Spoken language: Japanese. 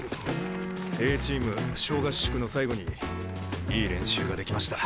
Ａチーム小合宿の最後にいい練習ができました。